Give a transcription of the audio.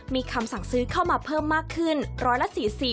มีคำสั่งซื้อเข้ามาเพิ่มมากขึ้น๑๔๐